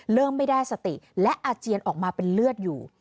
เริ่มไม่ได้สติและอาเจียนออกมาเป็นเลือดอยู่